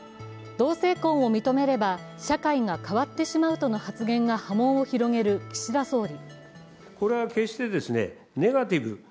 同姓婚を認めれば社会が変わってしまうとの発言が波紋を広げる岸田総理。